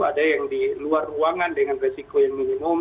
ada yang di luar ruangan dengan resiko yang minimum